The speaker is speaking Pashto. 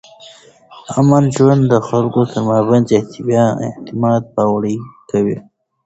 امن ژوند د خلکو ترمنځ اعتماد پیاوړی کوي.